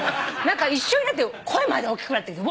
一緒になって声まで大きくなってきて。